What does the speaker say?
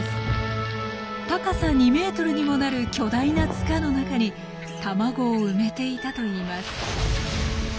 高さ２ｍにもなる巨大な塚の中に卵を埋めていたといいます。